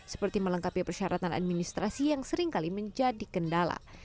seperti melengkapi persyaratan administrasi yang seringkali menjadi kendala